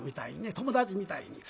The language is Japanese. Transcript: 友達みたいに。